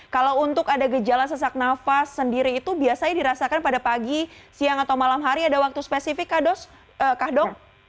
kalau untuk ada gejala sesak nafas sendiri itu biasanya dirasakan pada pagi siang atau malam hari ada waktu spesifik kak dok